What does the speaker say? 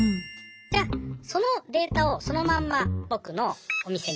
じゃそのデータをそのまんま僕のお店にコピーします。